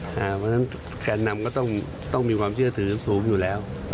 เพราะฉะนั้นแกนนำก็ต้องมีความเชื่อถือสูงอยู่แล้ว